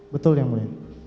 betul ya murid